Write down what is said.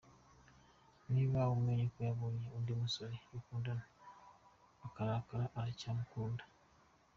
Niba amenya ko yabonye undi musore bakundana akarakara, aracyamukunda.